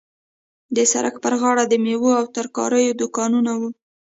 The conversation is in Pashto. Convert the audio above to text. د سړک پر غاړه د میوو او ترکاریو دوکانونه وو.